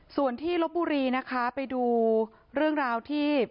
ส่วนที่ลบบุรีนะคะไปดูเรื่องราวที่